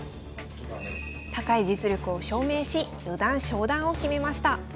高い実力を証明し四段昇段を決めました。